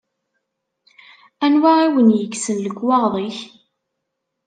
Anwa i wen-yekksen lekwaɣeḍ-ik?